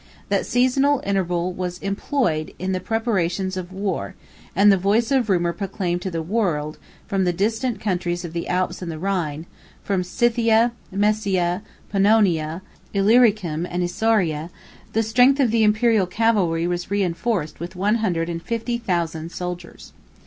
That seasonable interval was employed in the preparations of war; and the voice of rumor proclaimed to the world, that from the distant countries of the Alps and the Rhine, from Scythia, Maesia, Pannonia, Illyricum, and Isauria, the strength of the Imperial cavalry was reenforced with one hundred and fifty thousand soldiers.